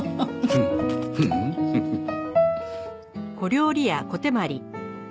フンフフッ。